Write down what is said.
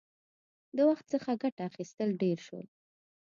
• د وخت څخه ګټه اخیستل ډېر شول.